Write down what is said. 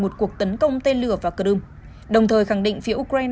một cuộc tấn công tên lửa vào clue đồng thời khẳng định phía ukraine